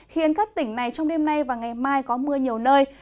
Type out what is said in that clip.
khiến các tỉnh này trong đêm nay và ngày mai có mưa nhiều nơi